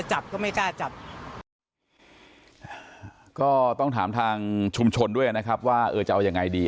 ใช่ก็ต้องถามทางชุมชนด้วยนะครับว่าเอ่อจะเอายังไงดี